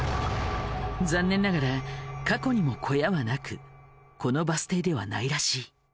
残念ながら過去にも小屋はなくこのバス停ではないらしい。